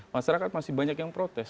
masyarakat masih banyak yang protes